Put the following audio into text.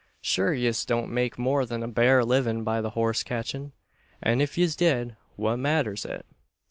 Shure yez don't make more than a bare livin' by the horse catchin'; an if yez did, what mathers it?